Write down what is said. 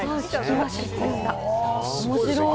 面白い。